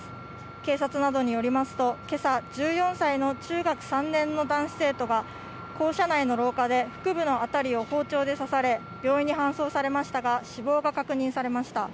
警察などによりますと、けさ、１４歳の中学３年の男子生徒が、校舎内の廊下で腹部の辺りを包丁で刺され、病院に搬送されましたが、死亡が確認されました。